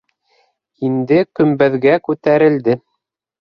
Инде көмбәҙгә күтәрелде.